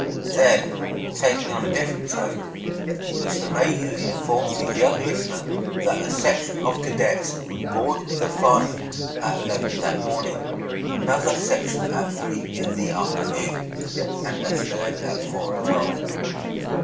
Then, taking on a different tone, Mr. Mayhew informed his young listener that a section of cadets would board the "Farnum" at eleven that morning, another section at three in the afternoon, and a third at four o'clock.